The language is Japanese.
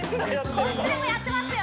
こっちでもやってますよ